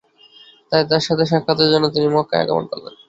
তাই তার সাথে সাক্ষাতের জন্য তিনি মক্কায় আগমন করলেন।